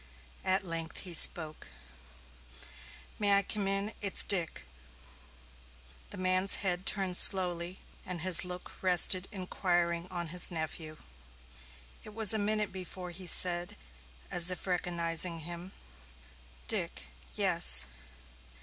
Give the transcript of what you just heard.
At length he spoke. "May I come in? It's Dick." The man's head turned slowly and his look rested inquiringly on his nephew. It was a minute before he said, as if recognizing him, "Dick. Yes."